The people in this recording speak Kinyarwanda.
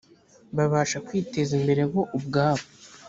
babasha kwiteza imbere bo ubwabo